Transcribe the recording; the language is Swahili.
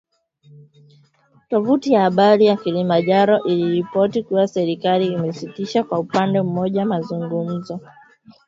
Tovuti ya habari ya Kilimanjaro, iliripoti kuwa serikali imesitisha kwa upande mmoja mazungumzo ambayo yamekuwa yakiendelea na Harare.